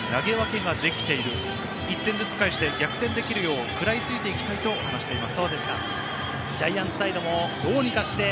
両サイドにしっかり投げ分けができている、１点ずつ返して、逆転できるよう食らいついていきたいと話しています。